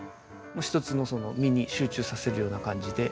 もう１つのその実に集中させるような感じで。